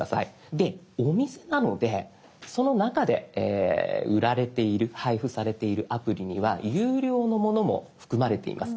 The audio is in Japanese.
でお店なのでその中で売られている配布されているアプリには有料のものも含まれています。